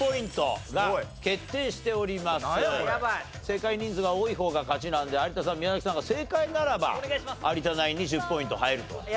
正解人数が多い方が勝ちなので有田さん宮崎さんが正解ならば有田ナインに１０ポイント入ると。